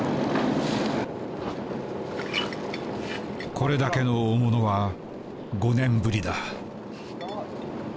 これだけの大物は５年ぶりだ。